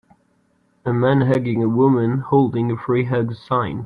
A man hugging a woman holding a free hugs sign.